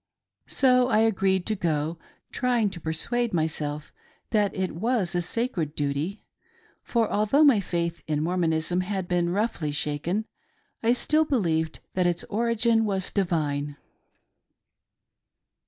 So I agreed to go, trying to persuade myself that it was a sacred duty; for although my faith in Mormonism had been roughly shaken, I still believed that its origin was divine.